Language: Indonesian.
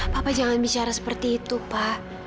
bapak jangan bicara seperti itu pak